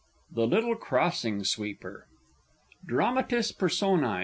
THE LITTLE CROSSING SWEEPER. DRAMATIS PERSONÆ.